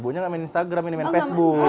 bunya gak main instagram ini main facebook